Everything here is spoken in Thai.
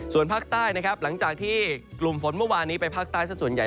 ส่วนภาคใต้นะครับหลังจากที่กลุ่มฝนเมื่อวานนี้ไปภาคใต้สักส่วนใหญ่